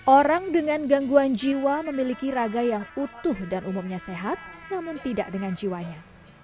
orang dengan gangguan jiwa memiliki raga yang utuh dan umumnya sehat namun tidak dengan jiwanya